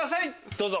どうぞ。